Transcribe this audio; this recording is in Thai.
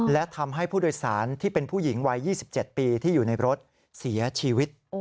และทำให้ผู้โดยสารที่เป็นผู้หญิงวัย๒๗ปีที่อยู่ในรถเสียชีวิต